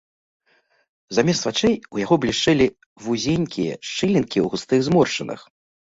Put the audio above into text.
Замест вачэй у яго блішчэлі вузенькія шчылінкі ў густых зморшчынах.